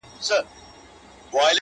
زه به د وخت له کومي ستړي ريشا وژاړمه,